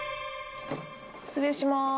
失礼します。